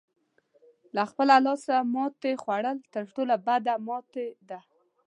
له خپله لاسه ماتې خوړل تر ټولو بده ماتې ده.